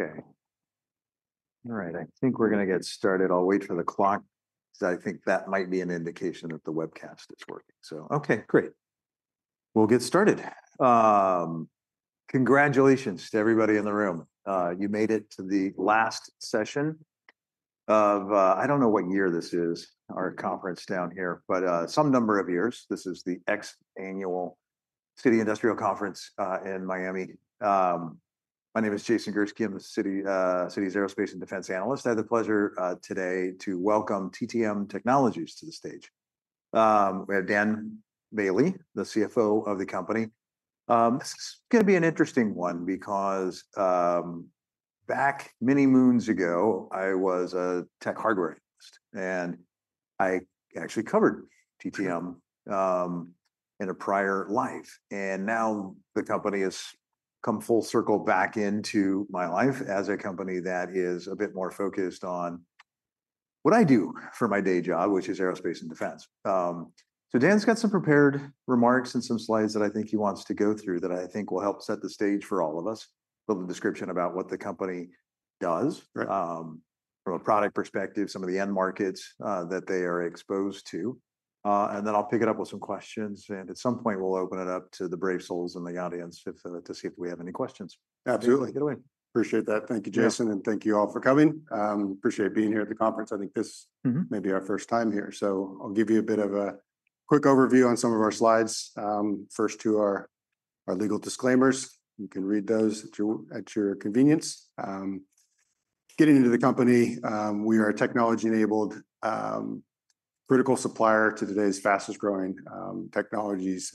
So, okay, great. We'll get started. Congratulations to everybody in the room. You made it to the last session of, I don't know what year this is, our conference down here, but some number of years. This is the X Annual Citi Industrial Conference in Miami. My name is Jason Gursky. I'm Citi's Aerospace and Defense Analyst. I have the pleasure today to welcome TTM Technologies to the stage. We have Dan Bailey, the CFO of the company. This is going to be an interesting one because back many moons ago, I was a tech hardware analyst, and I actually covered TTM in a prior life. And now the company has come full circle back into my life as a company that is a bit more focused on what I do for my day job, which is Aerospace and Defense. So Dan's got some prepared remarks and some slides that I think he wants to go through that I think will help set the stage for all of us. A little description about what the company does from a product perspective, some of the end markets that they are exposed to. And then I'll pick it up with some questions. And at some point, we'll open it up to the brave souls in the audience to see if we have any questions. Absolutely. Appreciate that. Thank you, Jason, and thank you all for coming. Appreciate being here at the conference. I think this may be our first time here, so I'll give you a bit of a quick overview on some of our slides. First, two are our legal disclaimers. You can read those at your convenience. Getting into the company, we are a technology-enabled critical supplier to today's fastest growing technologies,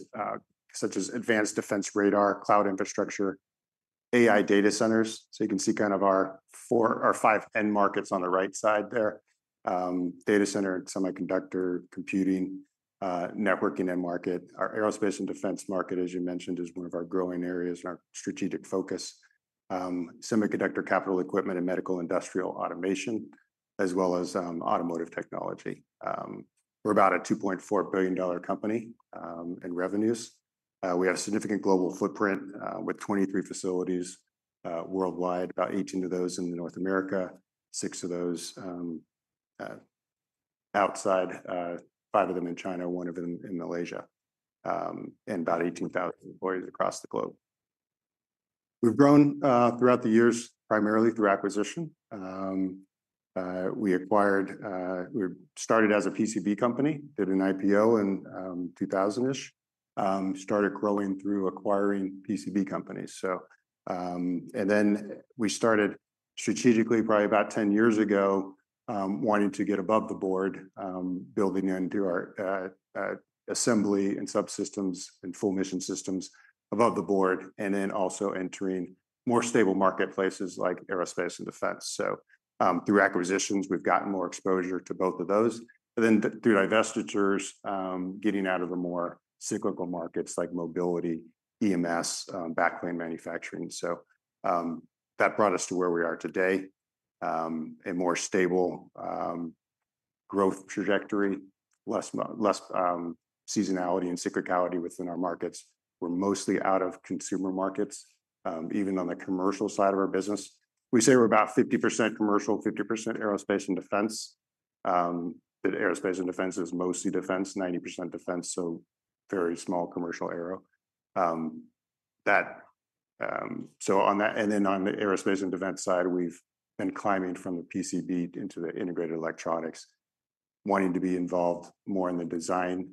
such as advanced defense radar, cloud infrastructure, AI data centers. So you can see kind of our four or five end markets on the right side there: data center, semiconductor, computing, networking end market. Our Aerospace and Defense market, as you mentioned, is one of our growing areas and our strategic focus: semiconductor capital equipment, and medical industrial automation, as well as automotive technology. We're about a $2.4 billion company in revenues. We have a significant global footprint with 23 facilities worldwide, about 18 of those in North America, six of those outside, five of them in China, one of them in Malaysia, and about 18,000 employees across the globe. We've grown throughout the years, primarily through acquisition. We started as a PCB company, did an IPO in 2000-ish, started growing through acquiring PCB companies, and then we started strategically probably about 10 years ago, wanting to get above the board, building into our assembly and subsystems and full mission systems above the board, and then also entering more stable marketplaces like Aerospace and Defense, so through acquisitions, we've gotten more exposure to both of those, and then through divestitures, getting out of the more cyclical markets like mobility, EMS, backplane manufacturing. So that brought us to where we are today, a more stable growth trajectory, less seasonality and cyclicality within our markets. We're mostly out of consumer markets, even on the commercial side of our business. We say we're about 50% commercial, 50% Aerospace and Defense. Aerospace and Defense is mostly defense, 90% defense, so very small commercial aero. So on that, and then on the Aerospace and Defense side, we've been climbing from the PCB into the integrated electronics, wanting to be involved more in the design,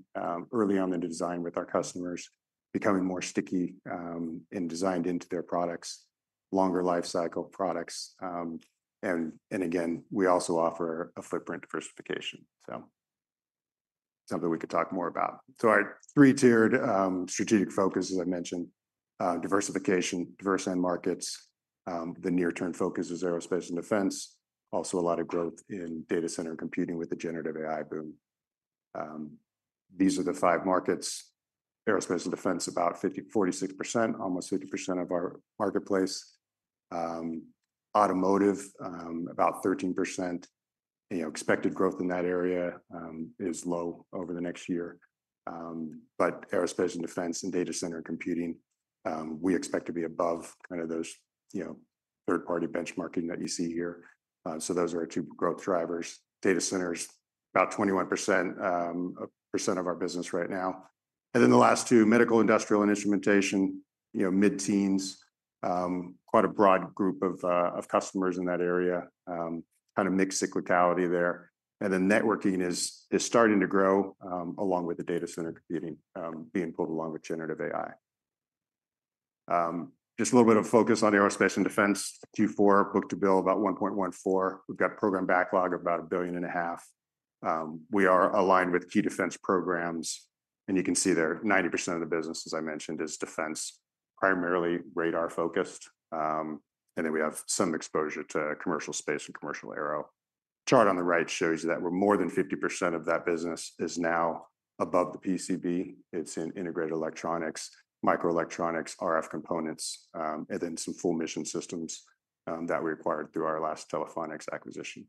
early on in the design with our customers, becoming more sticky and designed into their products, longer lifecycle products. And again, we also offer a footprint diversification, so something we could talk more about. So our three-tiered strategic focus, as I mentioned, diversification, diverse end markets, the near-term focus is Aerospace and Defense, also a lot of growth in Data Center and Computing with the generative AI boom. These are the five markets. Aerospace and Defense, about 46%, almost 50% of our marketplace. Automotive, about 13%. Expected growth in that area is low over the next year. But Aerospace and Defense and Data Center and Computing, we expect to be above kind of those third-party benchmarking that you see here. So those are our two growth drivers. Data centers, about 21% of our business right now. And then the last two, Medical Industrial and Instrumentation, mid-teens, quite a broad group of customers in that area, kind of mixed cyclicality there. And then networking is starting to grow along with the Data Center and Computing being pulled along with generative AI. Just a little bit of focus on Aerospace and Defense. Q4 book-to-bill about 1.14. We've got program backlog of about $1.5 billion. We are aligned with key defense programs, and you can see there, 90% of the business, as I mentioned, is defense, primarily radar-focused, and then we have some exposure to commercial space and commercial aero. Chart on the right shows you that we're more than 50% of that business is now above the PCB. It's in integrated electronics, microelectronics, RF components, and then some full mission systems that we acquired through our last Telephonics acquisition.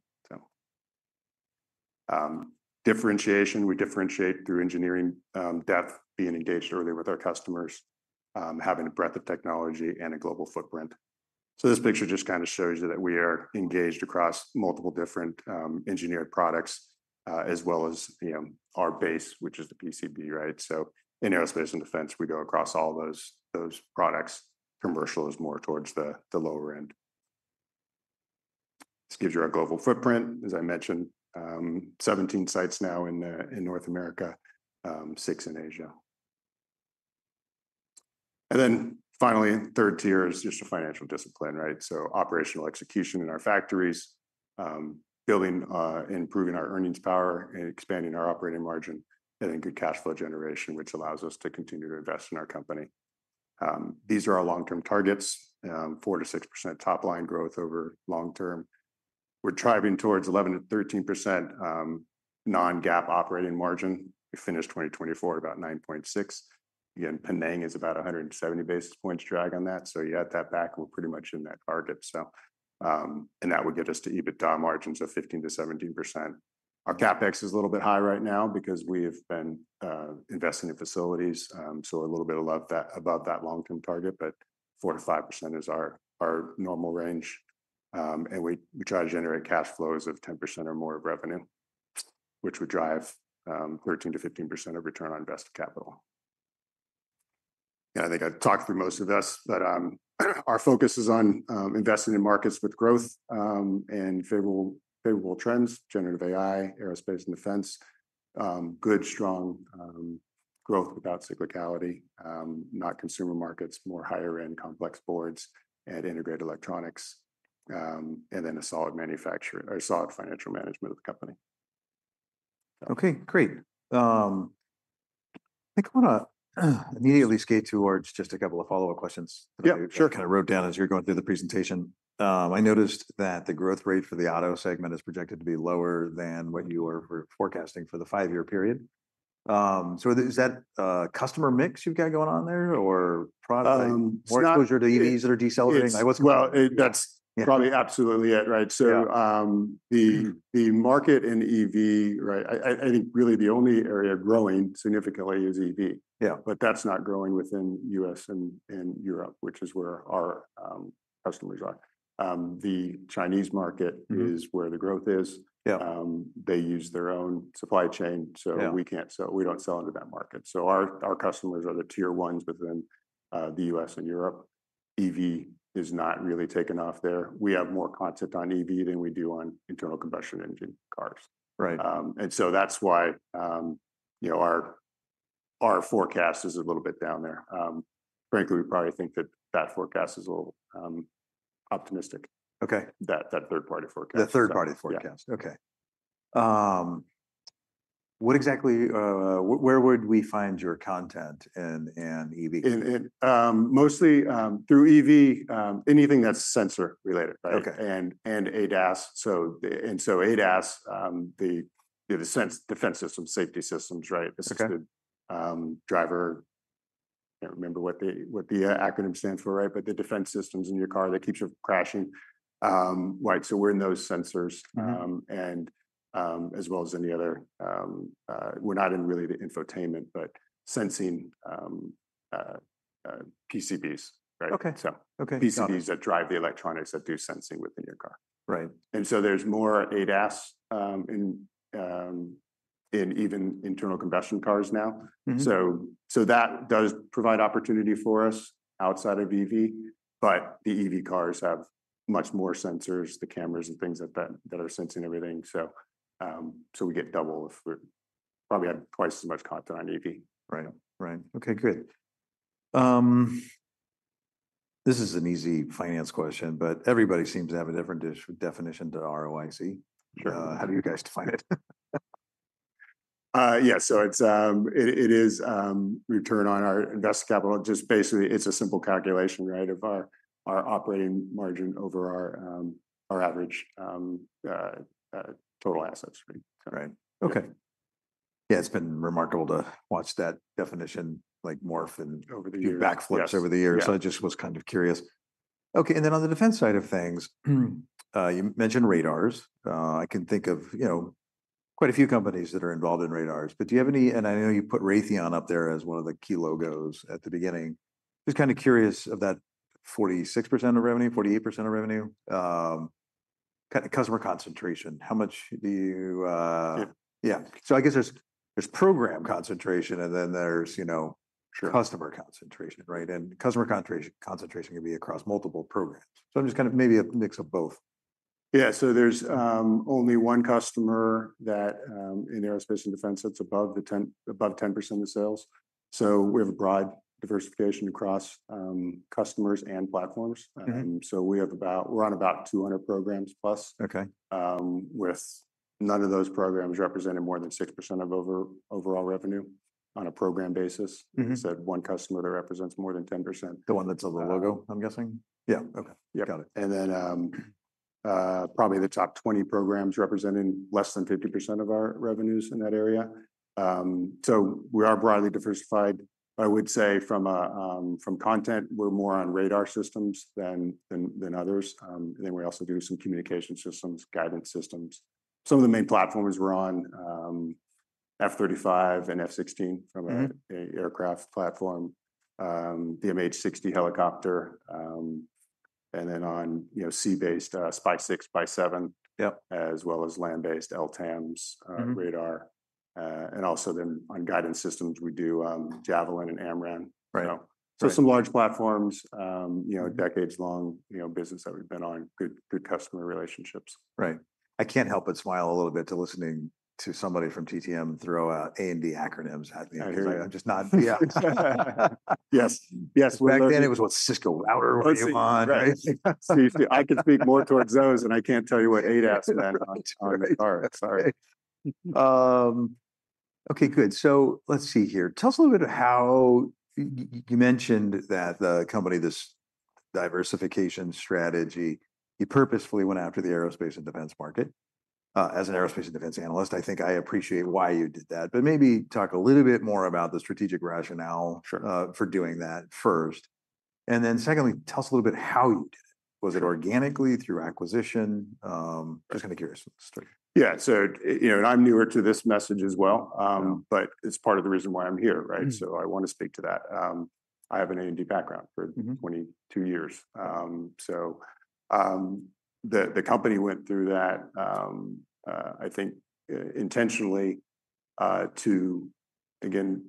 Differentiation, we differentiate through engineering depth, being engaged early with our customers, having a breadth of technology, and a global footprint, so this picture just kind of shows you that we are engaged across multiple different engineered products, as well as our base, which is the PCB, right? In Aerospace and Defense, we go across all those products. Commercial is more towards the lower end. This gives you our global footprint, as I mentioned, 17 sites now in North America, six in Asia. And then finally, third tier is just a financial discipline, right? So operational execution in our factories, building and improving our earnings power and expanding our operating margin, and then good cash flow generation, which allows us to continue to invest in our company. These are our long-term targets, 4% to 6% top line growth over long term. We're driving towards 11% to 13% non-GAAP operating margin. We finished 2024 at about 9.6%. Again, Penang is about 170 basis points drag on that. So you add that back, we're pretty much in that target. And that would get us to EBITDA margins of 15% to 17%. Our CapEx is a little bit high right now because we have been investing in facilities. So a little bit above that long-term target, but 4% to 5% is our normal range. And we try to generate cash flows of 10% or more of revenue, which would drive 13% to 15% of return on invested capital. And I think I've talked through most of this, but our focus is on investing in markets with growth and favorable trends, generative AI, aerospace, and defense, good, strong growth without cyclicality, not consumer markets, more higher-end complex boards and integrated electronics, and then a solid manufacturer or solid financial management of the company. Okay, great. I think I want to immediately skate towards just a couple of follow-up questions that I kind of wrote down as you're going through the presentation. I noticed that the growth rate for the auto segment is projected to be lower than what you were forecasting for the five-year period. So is that a customer mix you've got going on there or product exposure to EVs that are decelerating? That's probably absolutely it, right? The market in EV, right? I think really the only area growing significantly is EV. That's not growing within the US and Europe, which is where our customers are. The Chinese market is where the growth is. They use their own supply chain. We don't sell into that market. Our customers are the tier ones within the US and Europe. EV is not really taken off there. We have more content on EV than we do on internal combustion engine cars. That's why our forecast is a little bit down there. Frankly, we probably think that that forecast is a little optimistic, that third-party forecast. The third-party forecast, okay. Where would we find your content in EV? Mostly through EV, anything that's sensor related, right? And ADAS. And so ADAS, the defense systems, safety systems, right? Assisted driver, I can't remember what the acronym stands for, right? But the defense systems in your car that keeps you from crashing. Right? So we're in those sensors, as well as any other. We're not in really the infotainment, but sensing PCBs, right? So PCBs that drive the electronics that do sensing within your car. And so there's more ADAS in even internal combustion cars now. So that does provide opportunity for us outside of EV, but the EV cars have much more sensors, the cameras, and things that are sensing everything. So we get double if we're probably at twice as much content on EV. Right. Okay, good. This is an easy finance question, but everybody seems to have a different definition to ROIC. How do you guys define it? Yeah, so it is return on our invested capital. Just basically, it's a simple calculation, right, of our operating margin over our average total assets. Right. Okay. Yeah, it's been remarkable to watch that definition morph and backflip over the years. So I just was kind of curious. Okay. And then on the defense side of things, you mentioned radars. I can think of quite a few companies that are involved in radars. But do you have any, and I know you put Raytheon up there as one of the key logos at the beginning. Just kind of curious of that 46% of revenue, 48% of revenue, customer concentration. How much do you, yeah. So I guess there's program concentration, and then there's customer concentration, right? And customer concentration can be across multiple programs. So I'm just kind of maybe a mix of both. Yeah. So there's only one customer in Aerospace and Defense that's above 10% of sales. So we have a broad diversification across customers and platforms. So we're on about 200 programs plus, with none of those programs representing more than 6% of overall revenue on a program basis. It's that one customer that represents more than 10%. The one that's on the logo, I'm guessing? Yeah. Okay. Got it. And then probably the top 20 programs representing less than 50% of our revenues in that area. So we are broadly diversified. I would say from content, we're more on radar systems than others. And then we also do some communication systems, guidance systems. Some of the main platforms we're on, F-35 and F-16 from an aircraft platform, the MH-60 helicopter, and then on sea-based SPY-6 and SPY-7, as well as land-based LTAMDS radar. And also then on guidance systems, we do Javelin and AMRAAM. So some large platforms, decades-long business that we've been on, good customer relationships. Right. I can't help but smile a little bit to listen to somebody from TTM throw out A&D acronyms. I'm just not. Yes. Yes. Back then, it was what, Cisco? Amazon, right? I can speak more towards those, and I can't tell you what ADAS meant on the car. Sorry. Okay, good. So let's see here. Tell us a little bit of how you mentioned that the company, this diversification strategy, you purposefully went after the Aerospace and Defense market as an Aerospace and Defense analyst. I think I appreciate why you did that, but maybe talk a little bit more about the strategic rationale for doing that first. And then secondly, tell us a little bit how you did it. Was it organically through acquisition? Just kind of curious. Yeah. So I'm newer to this message as well, but it's part of the reason why I'm here, right? So I want to speak to that. I have an A&D background for 22 years. So the company went through that, I think, intentionally to, again,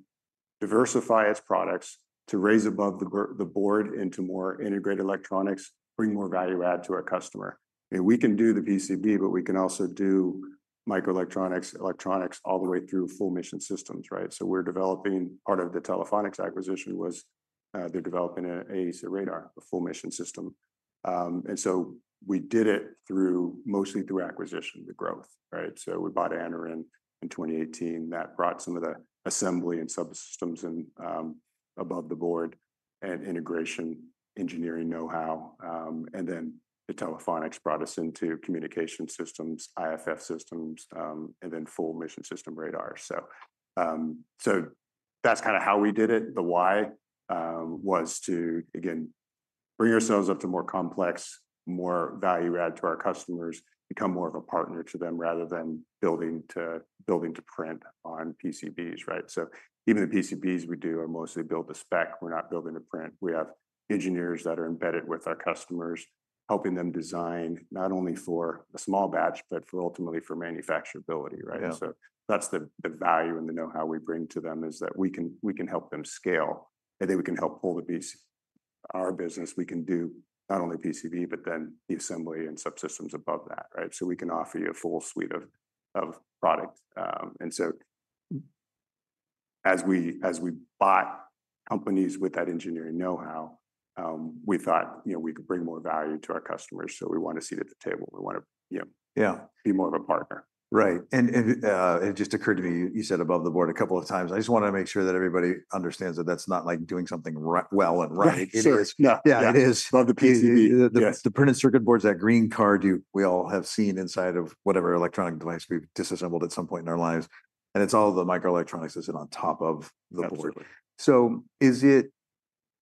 diversify its products to raise above the board into more integrated electronics, bring more value add to our customer. We can do the PCB, but we can also do microelectronics, electronics all the way through full mission systems, right? So we're developing. Part of the Telephonics acquisition was they're developing an AESA radar, a full mission system. And so we did it mostly through acquisition, the growth, right? So we bought Anaren in 2018. That brought some of the assembly and subsystems above the board and integration engineering know-how. Then the Telephonics brought us into communication systems, IFF systems, and then full mission system radar. That's kind of how we did it. The why was to, again, bring ourselves up to more complex, more value add to our customers, become more of a partner to them rather than building to print on PCBs, right? So even the PCBs we do are mostly built to spec. We're not building to print. We have engineers that are embedded with our customers, helping them design not only for a small batch, but ultimately for manufacturability, right? That's the value and the know-how we bring to them is that we can help them scale. I think we can help pull the piece. Our business, we can do not only PCB, but then the assembly and subsystems above that, right? We can offer you a full suite of products. As we bought companies with that engineering know-how, we thought we could bring more value to our customers. We want to sit at the table. We want to be more of a partner. Right. And it just occurred to me, you said above board a couple of times. I just want to make sure that everybody understands that that's not like doing something well and right. Sure. Above the PCB. The printed circuit boards, that green card we all have seen inside of whatever electronic device we've disassembled at some point in our lives. And it's all the microelectronics that sit on top of the board. So is it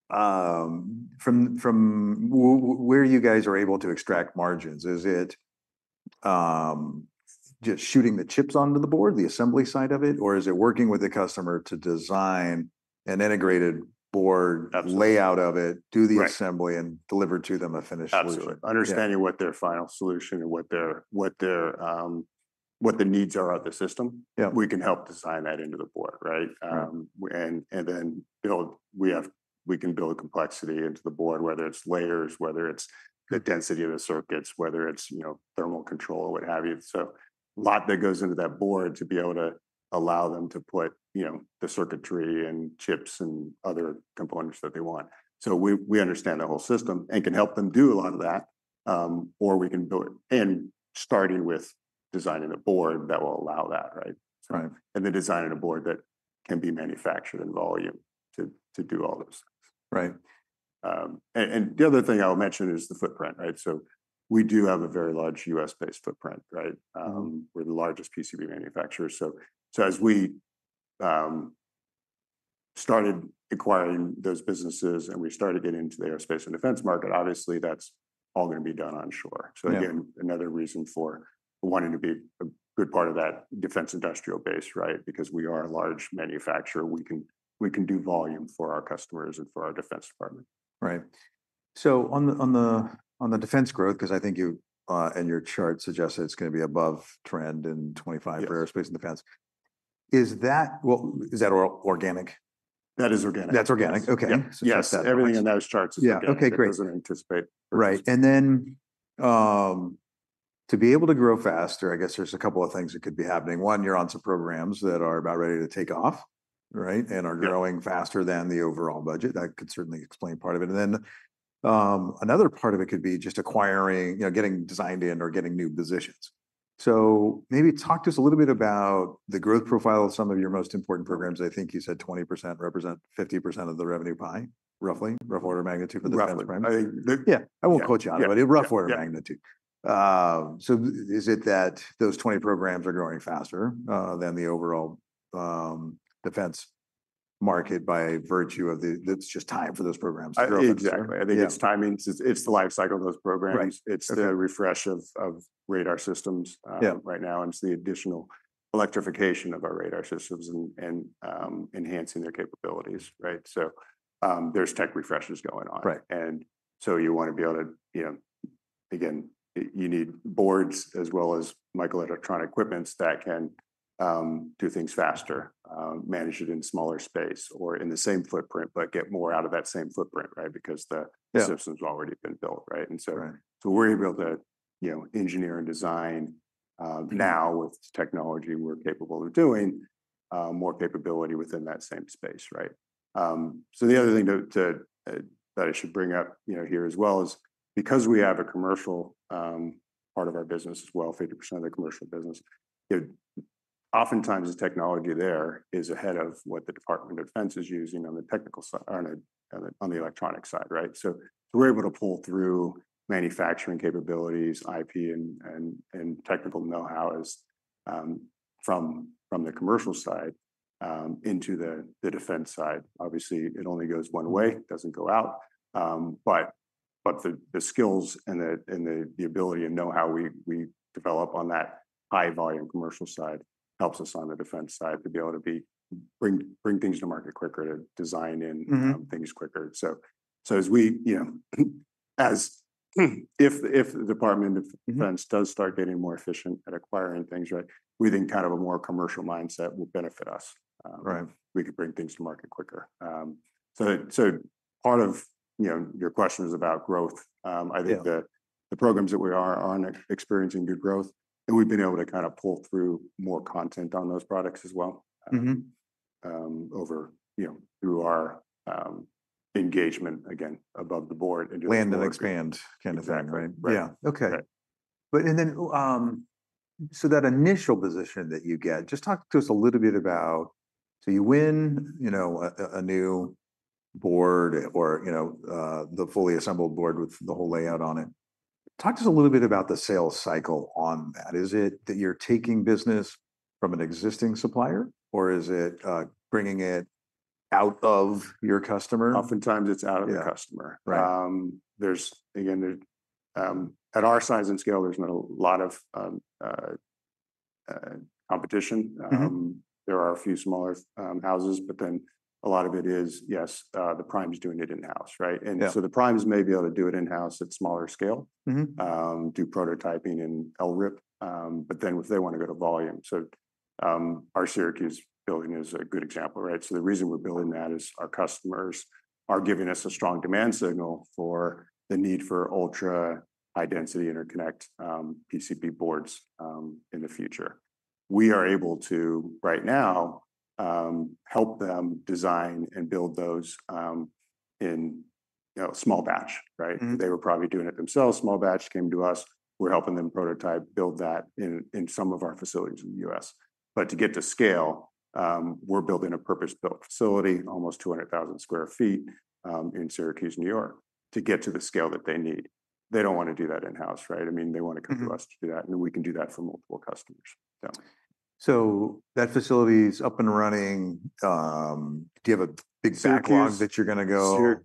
from where you guys are able to extract margins? Is it just shooting the chips onto the board, the assembly side of it, or is it working with the customer to design an integrated board, layout of it, do the assembly, and deliver to them a finished solution? Absolutely. Understanding what their final solution and what the needs are of the system, we can help design that into the board, right, and then we can build complexity into the board, whether it's layers, whether it's the density of the circuits, whether it's thermal control or what have you, so a lot that goes into that board to be able to allow them to put the circuitry and chips and other components that they want, so we understand the whole system and can help them do a lot of that, or we can build and starting with designing a board that will allow that, right, and then designing a board that can be manufactured in volume to do all those things. Right. And the other thing I'll mention is the footprint, right? So we do have a very large US-based footprint, right? We're the largest PCB manufacturer. So as we started acquiring those businesses and we started getting into the Aerospace and Defense market, obviously that's all going to be done onshore. So again, another reason for wanting to be a good part of that defense industrial base, right? Because we are a large manufacturer. We can do volume for our customers and for our defense department. Right, so on the defense growth, because I think you and your chart suggest that it's going to be above trend in 2025 for Aerospace and Defense, is that organic? That is organic. That's organic. Okay. Yes. Everything in those charts is organic. Okay, great. Right. And then to be able to grow faster, I guess there's a couple of things that could be happening. One, you're on some programs that are about ready to take off, right, and are growing faster than the overall budget. That could certainly explain part of it. And then another part of it could be just acquiring, getting designed in or getting new positions. So maybe talk to us a little bit about the growth profile of some of your most important programs. I think you said 20% represent 50% of the revenue pie, roughly, rough order magnitude for the defense prime. Yeah. I won't quote you on it, but rough order magnitude. So is it that those 20 programs are growing faster than the overall defense market by virtue of the. It's just time for those programs to grow faster? Exactly. I think it's timing. It's the lifecycle of those programs. It's the refresh of radar systems right now. And it's the additional electrification of our radar systems and enhancing their capabilities, right? So there's tech refreshes going on. And so you want to be able to, again, you need boards as well as microelectronic equipments that can do things faster, manage it in smaller space or in the same footprint, but get more out of that same footprint, right? Because the systems have already been built, right? And so we're able to engineer and design now with technology we're capable of doing more capability within that same space, right? So the other thing that I should bring up here as well is because we have a commercial part of our business as well, 50% of the commercial business. Oftentimes the technology there is ahead of what the Department of Defense is using on the technical side or on the electronic side, right? So we're able to pull through manufacturing capabilities, IP, and technical know-how from the commercial side into the defense side. Obviously, it only goes one way. It doesn't go out. But the skills and the ability and know-how we develop on that high-volume commercial side helps us on the defense side to be able to bring things to market quicker, to design in things quicker. So as we, if the Department of Defense does start getting more efficient at acquiring things, right, we think kind of a more commercial mindset will benefit us. We could bring things to market quicker. So part of your question is about growth. I think the programs that we are on experiencing good growth, and we've been able to kind of pull through more content on those products as well over through our engagement, again, above the board into the. Land and expand kind of thing, right? Right. Yeah. Okay. And then so that initial position that you get, just talk to us a little bit about, so you win a new board or the fully assembled board with the whole layout on it. Talk to us a little bit about the sales cycle on that. Is it that you're taking business from an existing supplier, or is it bringing it out of your customer? Oftentimes it's out of the customer. Again, at our size and scale, there's not a lot of competition. There are a few smaller houses, but then a lot of it is, yes, the prime's doing it in-house, right? And so the primes may be able to do it in-house at smaller scale, do prototyping in LRIP, but then if they want to go to volume. So our Syracuse building is a good example, right? So the reason we're building that is our customers are giving us a strong demand signal for the need for ultra-high-density interconnect PCB boards in the future. We are able to, right now, help them design and build those in a small batch, right? They were probably doing it themselves. Small batch came to us. We're helping them prototype, build that in some of our facilities in the US But to get to scale, we're building a purpose-built facility, almost 200,000 sq ft in Syracuse, New York, to get to the scale that they need. They don't want to do that in-house, right? I mean, they want to come to us to do that, and we can do that for multiple customers. So that facility is up and running. Do you have a big backlog that you're going to go?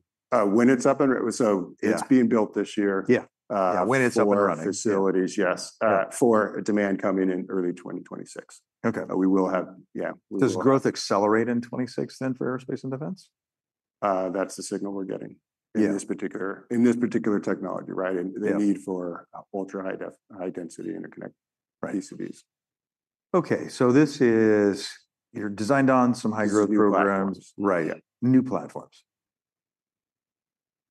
When it's up and so it's being built this year. Yeah. When it's up and running. For facilities, yes, for demand coming in early 2026. We will have, yeah. Does growth accelerate in 2026 then for Aerospace and Defense? That's the signal we're getting in this particular technology, right, and the need for ultra-high-density interconnect PCBs. Okay. This is your design on some high-growth programs. New platforms. Right. New platforms,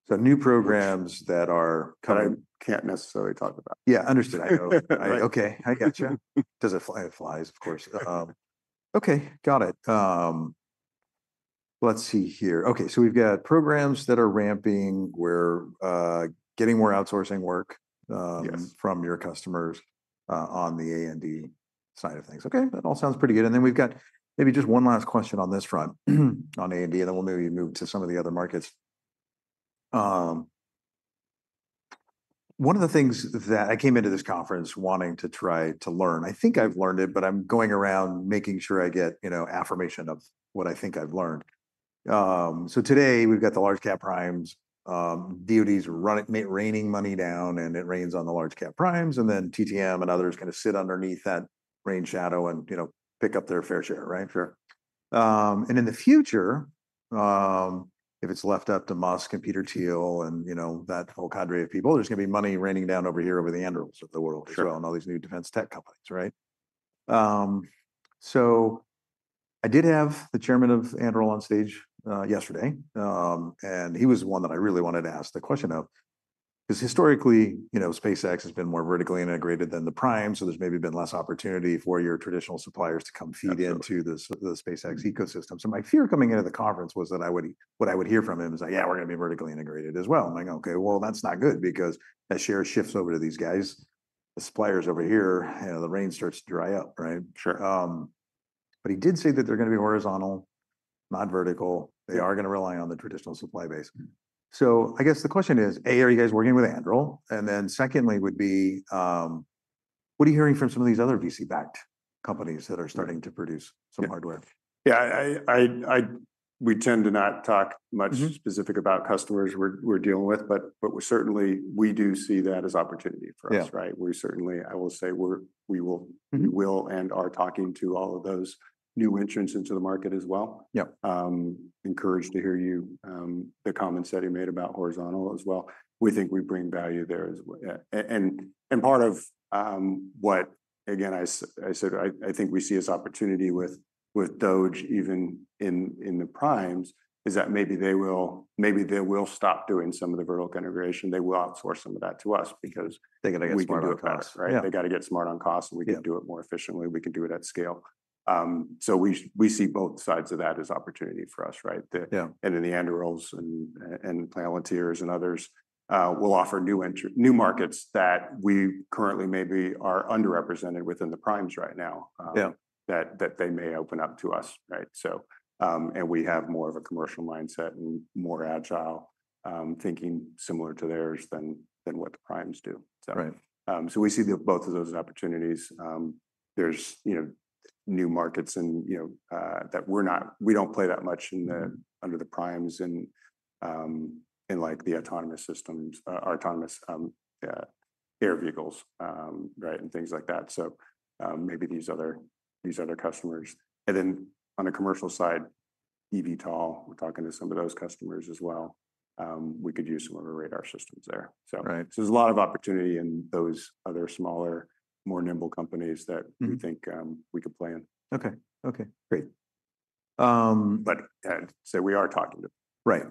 so new programs that are coming. I can't necessarily talk about. Yeah. Understood. I know. Okay. I gotcha. It flies, of course. Okay. Got it. Let's see here. Okay. So we've got programs that are ramping where we're getting more outsourcing work from your customers on the A&D side of things. Okay. That all sounds pretty good, and then we've got maybe just one last question on this front on A&D, and then we'll maybe move to some of the other markets. One of the things that I came into this conference wanting to try to learn, I think I've learned it, but I'm going around making sure I get affirmation of what I think I've learned, so today we've got the large-cap primes. DOD's raining money down, and it rains on the large-cap primes, and then TTM and others kind of sit underneath that rain shadow and pick up their fair share, right? Sure. And in the future, if it's left up to Musk and Peter Thiel and that whole cadre of people, there's going to be money raining down over here over the Anduril of the world as well and all these new defense tech companies, right? So I did have the chairman of Anduril on stage yesterday, and he was the one that I really wanted to ask the question of because historically, SpaceX has been more vertically integrated than the prime, so there's maybe been less opportunity for your traditional suppliers to come feed into the SpaceX ecosystem. So my fear coming into the conference was that what I would hear from him is like, "Yeah, we're going to be vertically integrated as well." I'm like, "Okay. Well, that's not good because that share shifts over to these guys. The suppliers over here, the rain starts to dry up, right? Sure. But he did say that they're going to be horizontal, not vertical. They are going to rely on the traditional supply base. So I guess the question is, A, are you guys working with Anduril? And then secondly would be, what are you hearing from some of these other VC-backed companies that are starting to produce some hardware? Yeah. We tend to not talk much specific about customers we're dealing with, but certainly we do see that as opportunity for us, right? I will say we will and are talking to all of those new entrants into the market as well. Encouraged to hear the comments that he made about horizontal as well. We think we bring value there as well. And part of what, again, I said, I think we see as opportunity with DOGE even in the primes is that maybe they will stop doing some of the vertical integration. They will outsource some of that to us because we can do it faster, right? They got to get smart on costs, and we can do it more efficiently. We can do it at scale. So we see both sides of that as opportunity for us, right? And then the Andurils and Palantirs and others will offer new markets that we currently maybe are underrepresented within the primes right now that they may open up to us, right? And we have more of a commercial mindset and more agile thinking similar to theirs than what the primes do. So we see both of those opportunities. There's new markets that we don't play that much under the primes and like the autonomous systems, our autonomous air vehicles, right, and things like that. So maybe these other customers. And then on the commercial side, eVTOL, we're talking to some of those customers as well. We could use some of our radar systems there. So there's a lot of opportunity in those other smaller, more nimble companies that we think we could play in. Okay. Okay. Great. But say we are talking to them. Right.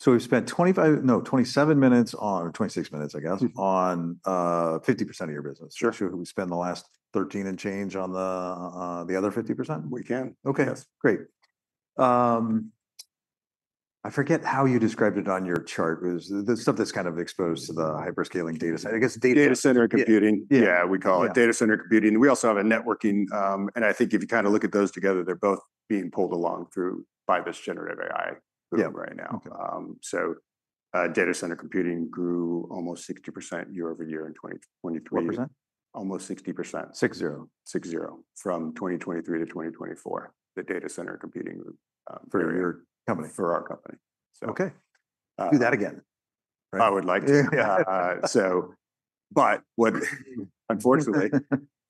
So we've spent 25, no, 27 minutes or 26 minutes, I guess, on 50% of your business. Sure. So we spent the last 13 and change on the other 50%? We can. Yes. Okay. Great. I forget how you described it on your chart. The stuff that's kind of exposed to the hyperscaler data center. I guess data center. Data center computing. Yeah, we call it data center computing. We also have a networking, and I think if you kind of look at those together, they're both being pulled along by this generative AI right now, so data center computing grew almost 60% year over year in 2023. What percent? Almost 60%. Six-zero. 60 from 2023 to 2024. The data center computing group. For your company. For our company. Okay. Do that again. I would like to, but unfortunately,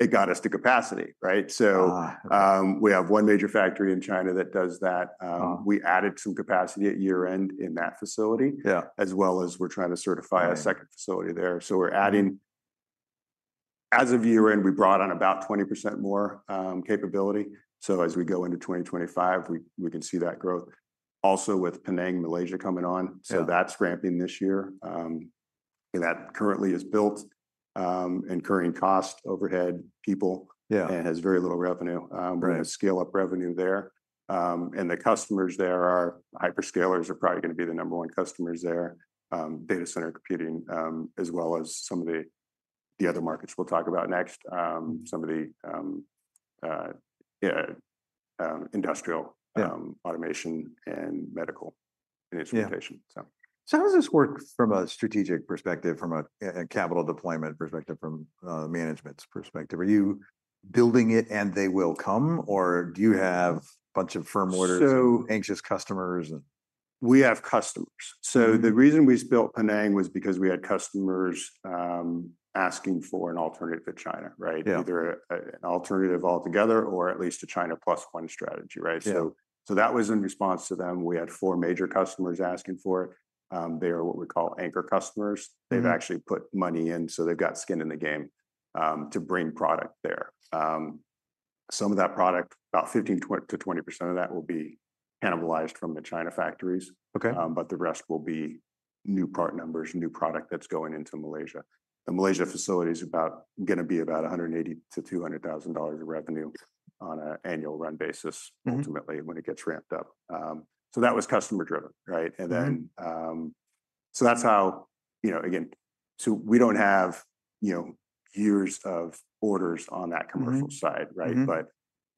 it got us to capacity, right, so we have one major factory in China that does that. We added some capacity at year-end in that facility, as well as we're trying to certify a second facility there, so as of year-end, we brought on about 20% more capability, so as we go into 2025, we can see that growth, also with Penang, Malaysia coming on, so that's ramping this year. That currently is built and current cost overhead people and has very little revenue. We're going to scale up revenue there, and the customers there are hyperscalers, are probably going to be the number one customers there. Data center computing, as well as some of the other markets we'll talk about next. Some of the industrial automation and medical instrumentation. So how does this work from a strategic perspective, from a capital deployment perspective, from a management perspective? Are you building it and they will come, or do you have a bunch of firmware, anxious customers? We have customers. So the reason we built Penang was because we had customers asking for an alternative to China, right? Either an alternative altogether or at least a China Plus One strategy, right? So that was in response to them. We had four major customers asking for it. They are what we call anchor customers. They've actually put money in. So they've got skin in the game to bring product there. Some of that product, about 15% to 20% of that will be cannibalized from the China factories, but the rest will be new part numbers, new product that's going into Malaysia. The Malaysia facility is going to be about $180,000 to 200,000 of revenue on an annual run basis ultimately when it gets ramped up. So that was customer-driven, right? And then so that's how, again, so we don't have years of orders on that commercial side, right?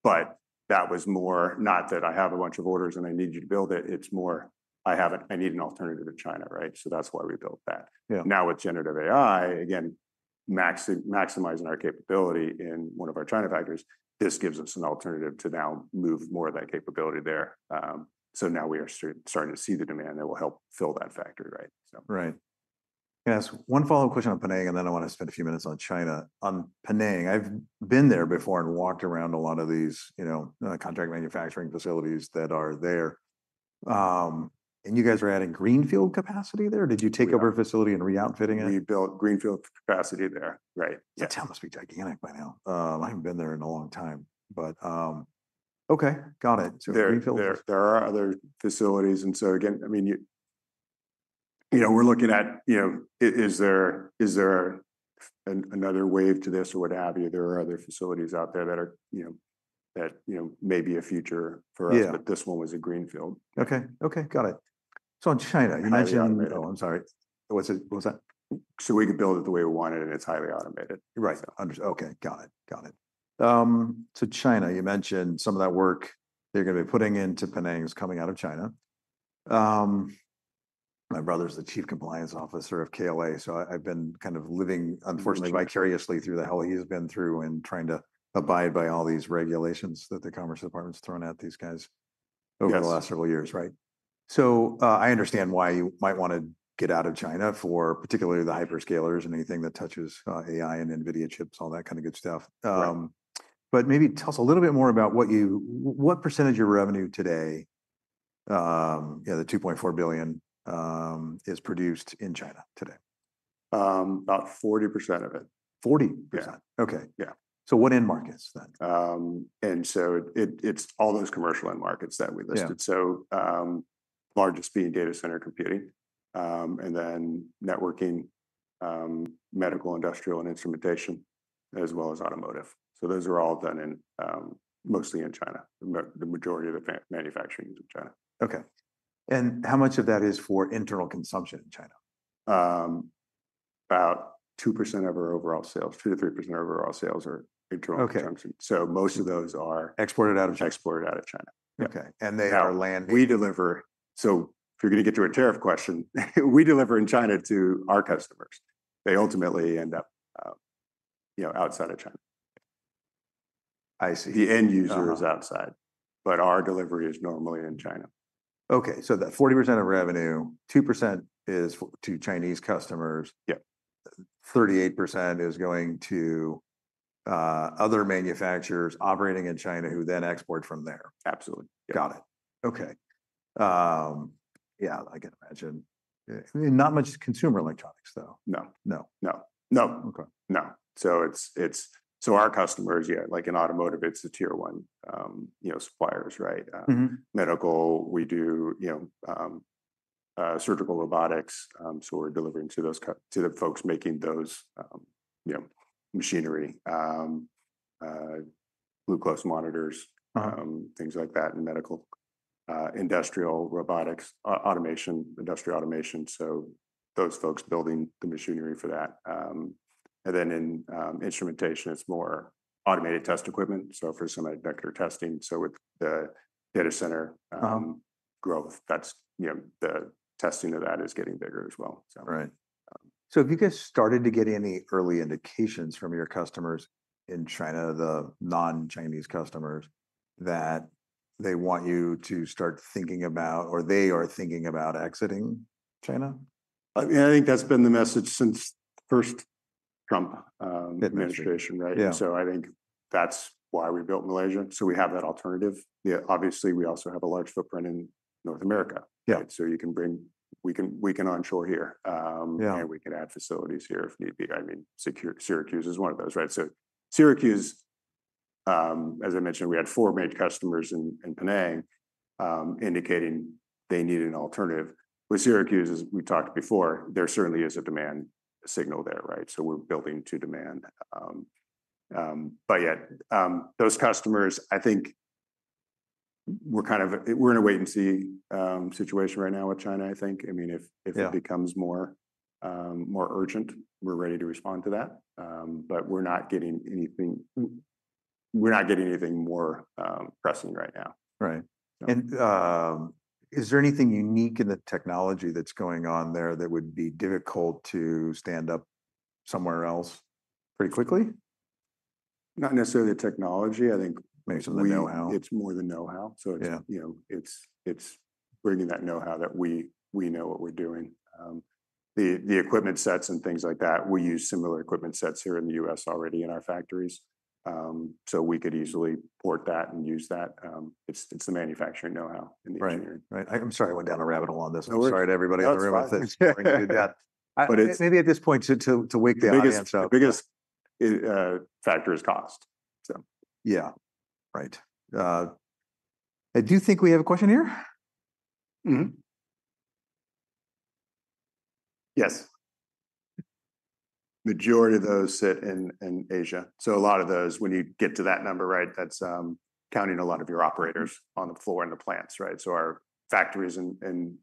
But that was more not that I have a bunch of orders and I need you to build it. It's more I need an alternative to China, right? So that's why we built that. Now with generative AI, again, maximizing our capability in one of our China factories, this gives us an alternative to now move more of that capability there. So now we are starting to see the demand that will help fill that factory, right? Right. Can I ask one follow-up question on Penang, and then I want to spend a few minutes on China. On Penang, I've been there before and walked around a lot of these contract manufacturing facilities that are there, and you guys were adding greenfield capacity there? Did you take over a facility and re-outfitting it? We built greenfield capacity there, right? Yeah. That must be gigantic by now. I haven't been there in a long time, but okay. Got it. There are other facilities, and so again, I mean, we're looking at is there another wave to this or what have you? There are other facilities out there that may be a future for us, but this one was a greenfield. Okay. Got it. So in China, you mentioned? I'm sorry. What was that? So we could build it the way we wanted it. It's highly automated. Right. Okay. Got it. Got it. To China, you mentioned some of that work they're going to be putting into Penang is coming out of China. My brother's the chief compliance officer of KLA, so I've been kind of living, unfortunately, vicariously through the hell he's been through and trying to abide by all these regulations that the commerce department's thrown at these guys over the last several years, right? So I understand why you might want to get out of China for particularly the hyperscalers and anything that touches AI and NVIDIA chips, all that kind of good stuff. But maybe tell us a little bit more about what percentage of your revenue today, the $2.4 billion, is produced in China today? About 40% of it. 40%. Okay. So what end markets then? It's all those commercial end markets that we listed: largest being data center computing, and then networking, medical, industrial, and instrumentation, as well as automotive. Those are all done mostly in China. The majority of the manufacturing is in China. Okay. And how much of that is for internal consumption in China? About 2% of our overall sales. 2% to 3% of overall sales are internal consumption. So most of those are. Exported out of China. Exported out of China. Okay, and they are land. So if you're going to get to a tariff question, we deliver in China to our customers. They ultimately end up outside of China. I see. The end user is outside, but our delivery is normally in China. Okay. That 40% of revenue, 2% is to Chinese customers. Yep. 38% is going to other manufacturers operating in China who then export from there. Absolutely. Got it. Okay. Yeah. I can imagine. Not much consumer electronics, though. No. No. No. No. So our customers, yeah, like in automotive, it's the tier one suppliers, right? Medical, we do surgical robotics. So we're delivering to the folks making those machinery, glucose monitors, things like that in medical, industrial robotics, automation, industrial automation. So those folks building the machinery for that. And then in instrumentation, it's more automated test equipment. So for some of the vector testing. So with the data center growth, the testing of that is getting bigger as well. Right. So have you guys started to get any early indications from your customers in China, the non-Chinese customers, that they want you to start thinking about or they are thinking about exiting China? I mean, I think that's been the message since first Trump administration, right? So I think that's why we built Malaysia. So we have that alternative. Obviously, we also have a large footprint in North America, right? So we can onshore here, and we can add facilities here if need be. I mean, Syracuse is one of those, right? So Syracuse, as I mentioned, we had four major customers in Penang indicating they needed an alternative. With Syracuse, as we talked before, there certainly is a demand signal there, right? So we're building to demand. But yeah, those customers, I think we're kind of in a wait-and-see situation right now with China, I think. I mean, if it becomes more urgent, we're ready to respond to that. But we're not getting anything more pressing right now. Right. Is there anything unique in the technology that's going on there that would be difficult to stand up somewhere else pretty quickly? Not necessarily technology. I think. The know-how. It's more the know-how. So it's bringing that know-how that we know what we're doing. The equipment sets and things like that, we use similar equipment sets here in the US already in our factories. So we could easily port that and use that. It's the manufacturing know-how in the engineering. Right. Right. I'm sorry I went down a rabbit hole on this. I'm sorry to everybody in the room out there. But maybe at this point to wake the audience up. The biggest factor is cost. Yeah. Right. I do think we have a question here. Yes. Majority of those sit in Asia. So a lot of those, when you get to that number, right, that's counting a lot of your operators on the floor in the plants, right? So our factories in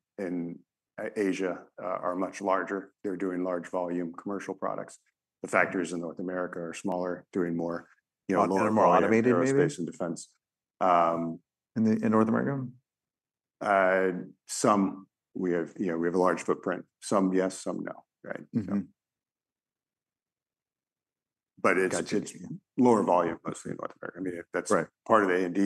Asia are much larger. They're doing large volume commercial products. The factories in North America are smaller, doing more. They're more automated. Space and defense. In North America? Some. We have a large footprint. Some, yes. Some, no, right? But it's lower volume, mostly in North America. I mean, that's part of A&D.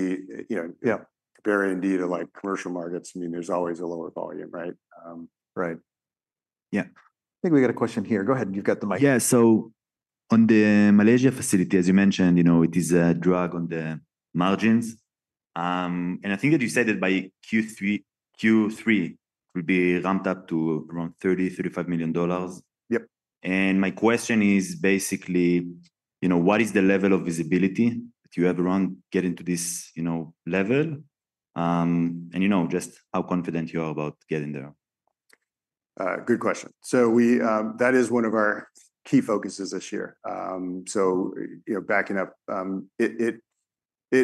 Compare A&D to commercial markets. I mean, there's always a lower volume, right? Right. Yeah. I think we got a question here. Go ahead. You've got the mic. Yeah. So on the Malaysia facility, as you mentioned, it is a drag on the margins. And I think that you said that by Q3, Q3 would be ramped up to around $30 to 35 million. And my question is basically, what is the level of visibility that you have around getting to this level? And just how confident you are about getting there? Good question. So that is one of our key focuses this year. So backing up, it's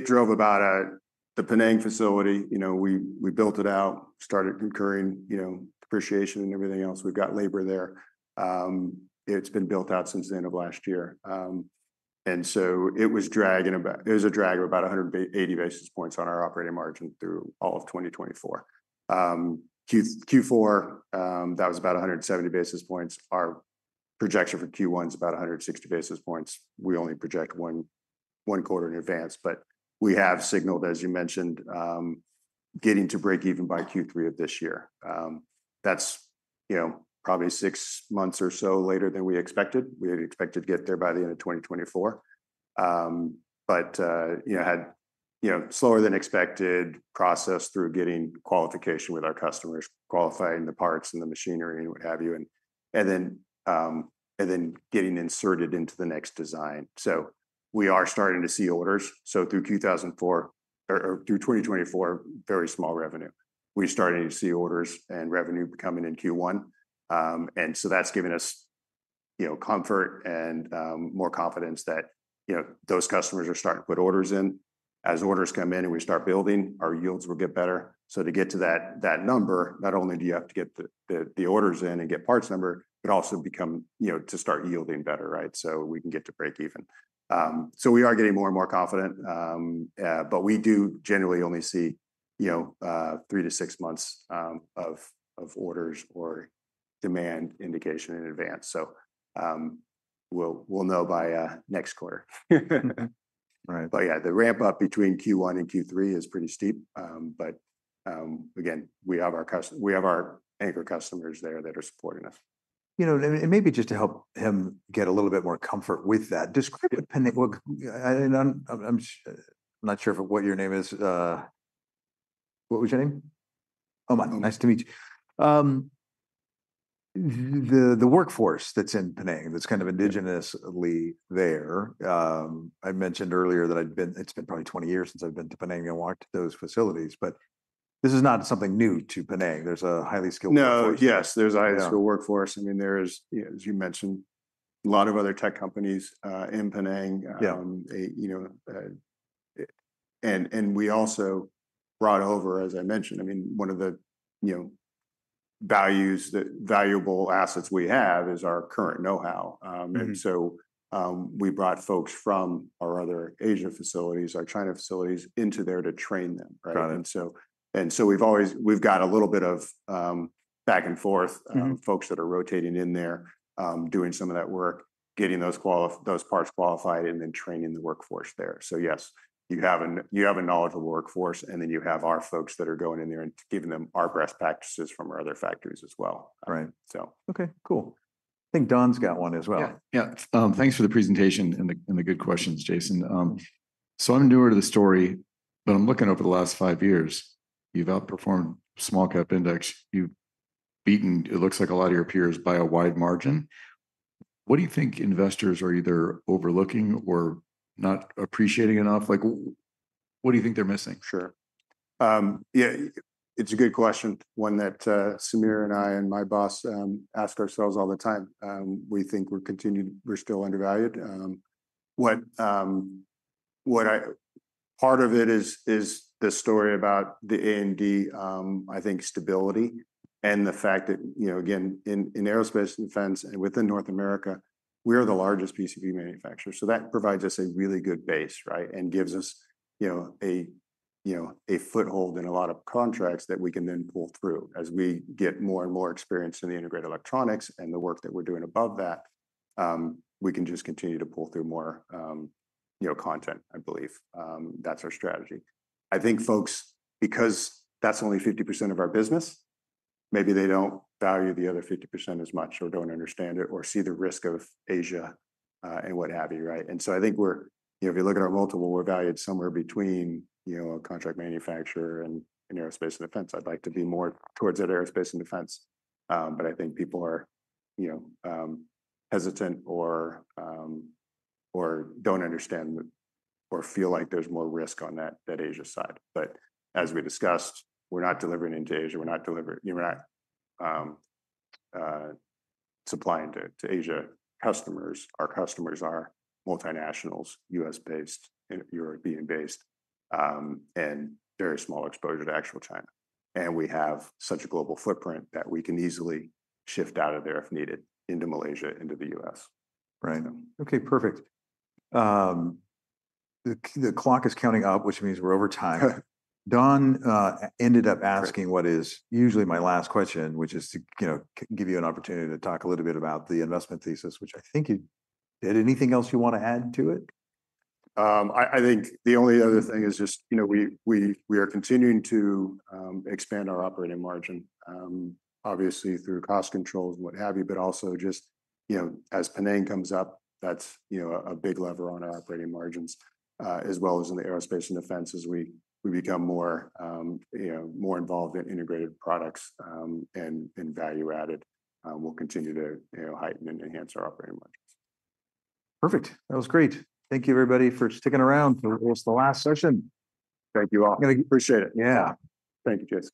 about the Penang facility. We built it out, started incurring depreciation and everything else. We've got labor there. It's been built out since the end of last year. And so it was a drag of about 180 basis points on our operating margin through all of 2024. Q4, that was about 170 basis points. Our projection for Q1 is about 160 basis points. We only project one quarter in advance, but we have signaled, as you mentioned, getting to break even by Q3 of this year. That's probably six months or so later than we expected. We had expected to get there by the end of 2024. But had slower than expected process through getting qualification with our customers, qualifying the parts and the machinery and what have you, and then getting inserted into the next design. So we are starting to see orders. So through 2024, very small revenue. We're starting to see orders and revenue coming in Q1. And so that's giving us comfort and more confidence that those customers are starting to put orders in. As orders come in and we start building, our yields will get better. So to get to that number, not only do you have to get the orders in and get parts number, but also to start yielding better, right? So we can get to break even. So we are getting more and more confident, but we do generally only see three to six months of orders or demand indication in advance. So we'll know by next quarter. But yeah, the ramp-up between Q1 and Q3 is pretty steep. But again, we have our anchor customers there that are supporting us. And maybe just to help him get a little bit more comfort with that. Describe what Penang and I'm not sure what your name is. What was your name? Oh, nice to meet you. The workforce that's in Penang that's kind of indigenously there. I mentioned earlier that it's been probably 20 years since I've been to Penang and walked to those facilities, but this is not something new to Penang. There's a highly skilled workforce. No, yes. There's a highly skilled workforce. I mean, there is, as you mentioned, a lot of other tech companies in Penang. And we also brought over, as I mentioned, I mean, one of the valuable assets we have is our current know-how. And so we brought folks from our other Asia facilities, our China facilities into there to train them, right? And so we've got a little bit of back and forth, folks that are rotating in there, doing some of that work, getting those parts qualified, and then training the workforce there. So yes, you have a knowledgeable workforce, and then you have our folks that are going in there and giving them our best practices from our other factories as well. Right. Okay. Cool. I think Dan's got one as well. Yeah. Yeah. Thanks for the presentation and the good questions, Jason. So I'm newer to the story, but I'm looking over the last five years, you've outperformed Small Cap Index. You've beaten, it looks like, a lot of your peers by a wide margin. What do you think investors are either overlooking or not appreciating enough? What do you think they're missing? Sure. Yeah. It's a good question. One that Sameer and I and my boss ask ourselves all the time. We think we're still undervalued. Part of it is the story about the A&D, I think, stability and the fact that, again, in Aerospace and Defense and within North America, we are the largest PCB manufacturer. So that provides us a really good base, right, and gives us a foothold in a lot of contracts that we can then pull through. As we get more and more experience in the integrated electronics and the work that we're doing above that, we can just continue to pull through more content, I believe. That's our strategy. I think folks, because that's only 50% of our business, maybe they don't value the other 50% as much or don't understand it or see the risk of Asia and what have you, right? And so I think if you look at our multiple, we're valued somewhere between a contract manufacturer and Aerospace and Defense. I'd like to be more towards that Aerospace and Defense. But I think people are hesitant or don't understand or feel like there's more risk on that Asia side. But as we discussed, we're not delivering into Asia. We're not supplying to Asia customers. Our customers are multinationals, US-based, European-based, and very small exposure to actual China. And we have such a global footprint that we can easily shift out of there if needed into Malaysia, into the US Right. Okay. Perfect. The clock is counting up, which means we're over time. Don ended up asking what is usually my last question, which is to give you an opportunity to talk a little bit about the investment thesis, which I think you did. Anything else you want to add to it? I think the only other thing is just we are continuing to expand our operating margin, obviously, through cost controls and what have you, but also just as Penang comes up, that's a big lever on our operating margins, as well as in the Aerospace and Defense. As we become more involved in integrated products and value-added, we'll continue to heighten and enhance our operating margins. Perfect. That was great. Thank you, everybody, for sticking around for the last session. Thank you all. Appreciate it. Yeah. Thank you, Jason.